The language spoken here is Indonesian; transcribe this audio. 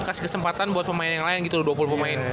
kasih kesempatan buat pemain yang lain gitu loh dua puluh pemain